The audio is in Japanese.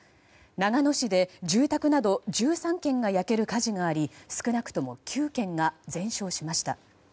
長野市で住宅など１３軒が焼ける火事があり少なくとも９軒が全焼しました。